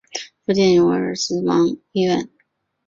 附近有威尔斯亲王医院。